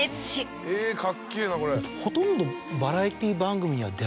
ほとんど。